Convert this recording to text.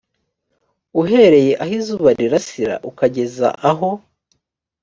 uhereye aho izuba rirasira ukageza aho